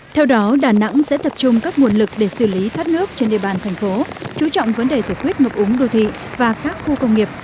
theo đó đà nẵng sẽ tập trung các nguồn lực để xử lý thoát nước trên địa bàn thành phố chú trọng vấn đề giải quyết mực úng đô thị và các khu công nghiệp